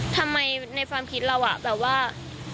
ทำไมในความคิดเราแบบว่า